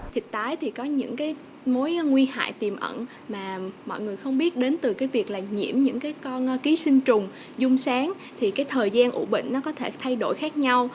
thịt tái thì có những cái mối nguy hại tiềm ẩn mà mọi người không biết đến từ cái việc là nhiễm những cái con ký sinh trùng dung sán thì cái thời gian ủ bệnh nó có thể thay đổi khác nhau